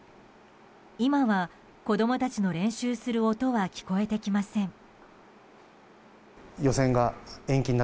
今は、子供たちの練習する音は聞こえてきません。